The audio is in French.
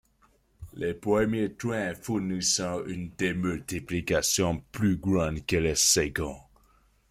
Le premier train fournissant une démultiplication plus grande que le second.